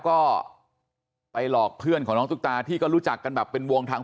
ก็ไปหลอกเพื่อนของน้องตุ๊กตาที่ก็รู้จักกันแบบเป็นวงทาง